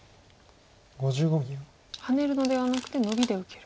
ハネるのではなくてノビで受ける。